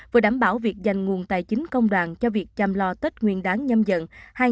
vừa đảm bảo việc dành nguồn tài chính công đoàn cho việc chăm lo tết nguyên đáng nhâm dần hai nghìn hai mươi